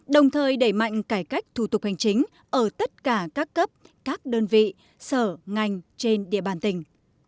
đồng thời đẩy mạnh cải cách thủ tục hành chính ở tất cả các cấp các đơn vị sở ngành trên địa bàn tỉnh